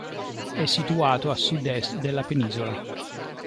È situato a sud-est della penisola.